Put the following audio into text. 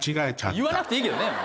言わなくていいけどね。